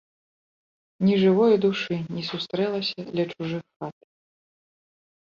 Ні жывое душы не сустрэлася ля чужых хат.